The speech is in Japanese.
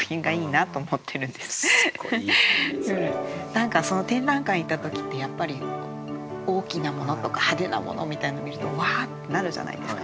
何か展覧会行った時ってやっぱり大きなものとか派手なものみたいなの見るとわってなるじゃないですか。